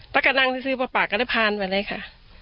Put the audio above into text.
กะกะนังที่ซื้อปุ๊ะปากก็ไปละค่ะ